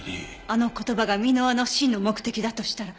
あの言葉が箕輪の真の目的だとしたら。